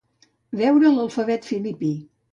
Veure l'alfabet filipí.